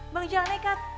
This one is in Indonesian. bang jangan naik kak